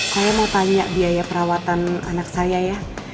saya mau tanya biaya perawatan anak saya ya